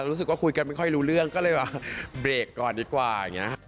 รู้สึกว่าคุยกันไม่ค่อยรู้เรื่องก็เลยว่าเบรกก่อนดีกว่า